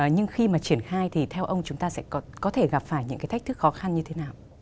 nhưng khi mà triển khai thì theo ông chúng ta sẽ có thể gặp phải những cái thách thức khó khăn như thế nào